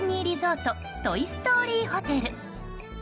リゾート・トイ・ストーリーホテル。